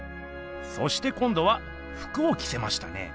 そして今どはふくをきせましたね。